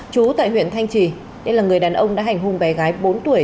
chú tại huyện thanh trì đây là người đàn ông đã hành hung bé gái bốn tuổi